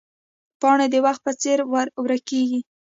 پاڼې د وخت په څېر ورکېږي